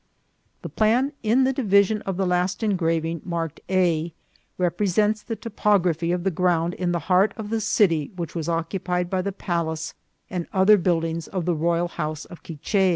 The plan in the division of the last engraving marked A, represents the topography of the ground in the heart of the city which was occupied by the palace and other buildings of the royal house of Quiche.